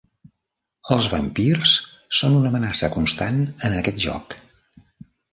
Els vampirs són una amenaça constant en aquest joc.